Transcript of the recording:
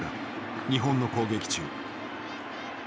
日本の攻撃中。